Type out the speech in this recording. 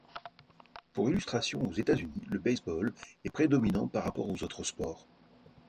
Pour illustration, aux États-Unis, le baseball est prédominant par rapport aux autres sports.